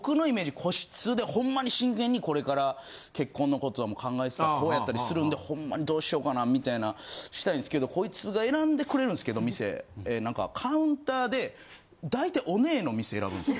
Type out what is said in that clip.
ほんまに真剣にこれから結婚のこと考えてた子やったりするんでほんまにどうしようかなみたいなしたいんすけどこいつが選んでくれるんすけど店何かカウンターで大体オネエの店選ぶんすよ。